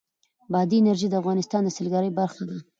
بادي انرژي د افغانستان د سیلګرۍ برخه ده.